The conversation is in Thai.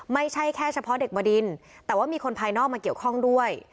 ไม่ใช่แค่เฉพาะเด็กบดินแต่ว่ามีคนภายนอกมาเกี่ยวข้องด้วย